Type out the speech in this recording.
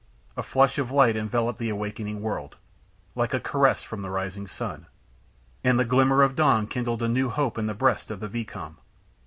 A flush of light enveloped the awakened world, like a caress from the rising sun, and the glimmer of dawn kindled new hope in the breast of the vicomte.